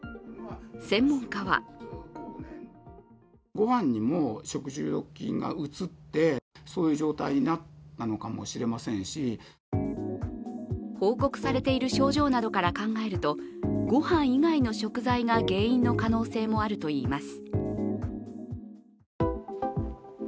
専門家は報告されている症状などから考えるとごはん以外の食材が原因の可能性もあるといいます。